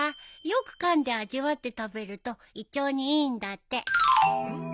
よくかんで味わって食べると胃腸にいいんだって。